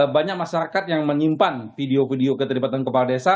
banyak masyarakat yang menyimpan video video keterlibatan kepala desa